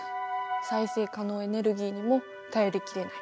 再生可能エネルギーにも頼り切れない。